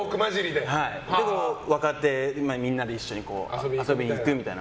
で、もう若手みんなで一緒に遊びに行くみたいな。